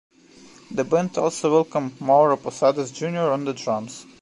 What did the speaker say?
The band also welcomed Mauro Posadas Junior on the drums.